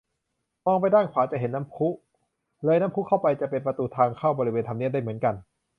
มองไปด้านขวาจะเห็นน้ำพุ เลยน้ำพุเข้าไปจะเป็นประตูเข้าบริเวณทำเนียบได้เหมือนกัน